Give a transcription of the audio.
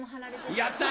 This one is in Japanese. やった！